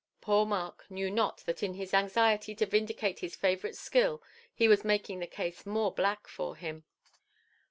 Poor Mark knew not that in his anxiety to vindicate his favouriteʼs skill, he was making the case more black for him.